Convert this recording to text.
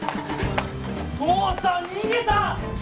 父さん逃げた！